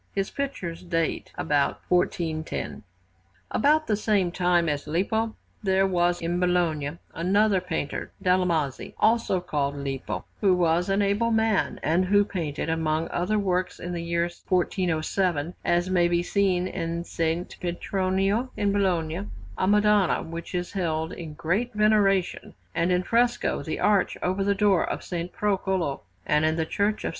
His pictures date about 1410. [Footnote 4: The Tribunal of commerce.] About the same time as Lippo there was in Bologna another painter, Dalmasi, also called Lippo, who was an able man, and who painted, among other works, in the year 1407 (as it may be seen in S. Petronio in Bologna), a Madonna which is held in great veneration; and in fresco, the arch over the door of S. Procolo; and in the Church of S.